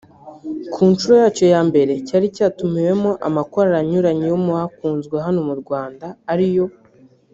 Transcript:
Ku nshuro yacyo ya mbere cyari cyatumiwemo amakorali anyuranye yo mu akunzwe hano mu Rwanda ari yo